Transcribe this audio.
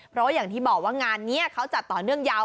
เพราะว่าอย่างที่บอกว่างานนี้เขาจัดต่อเนื่องยาว